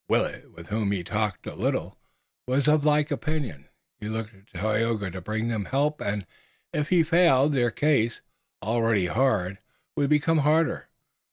Willet with whom he talked a little, was of like opinion. He looked to Tayoga to bring them help, and, if he failed their case, already hard, would become harder.